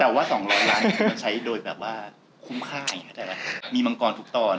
แต่ว่า๒๐๐ล้านใช้โดยความคุ้มค่ามีมังกรทุกตอน